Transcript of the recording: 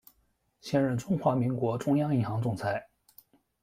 现任中华民国中央银行总裁。